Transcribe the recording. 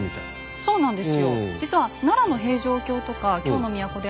そうなんです。